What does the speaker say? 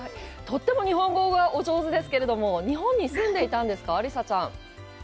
とっても日本語がお上手ですけれども、日本に住んでいたんですか、リサちゃん。